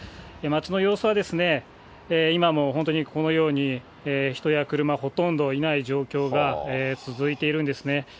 街の様子は今も本当にこのように、人や車、ほとんどいない状況が続いているんですね。